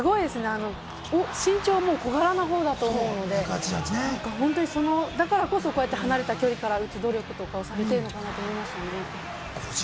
身長は小柄な方だと思うので、だからこそ離れたところから打つ努力とかされているのかなと思いましたね。